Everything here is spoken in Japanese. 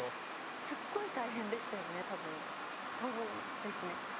すっごい大変でしたよね、そうですね。